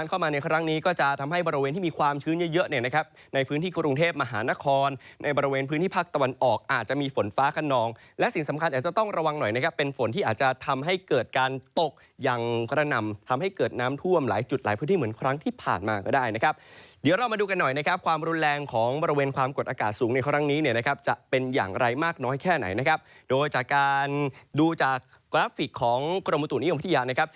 ก่อนในบริเวณพื้นที่ภาคตะวันออกอาจจะมีฝนฟ้าขนองและสิ่งสำคัญจะต้องระวังหน่อยนะครับเป็นฝนที่อาจจะทำให้เกิดการตกอย่างพระนำทำให้เกิดน้ำท่วมหลายจุดหลายพื้นที่เหมือนครั้งที่ผ่านมาก็ได้นะครับเดี๋ยวเรามาดูกันหน่อยนะครับความรุนแรงของบริเวณความกดอากาศสูงในครั้งนี้เนี่ยนะครับจะเป็นอย่